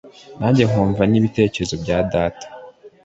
nange nkumva n’ibitekerezo bya data.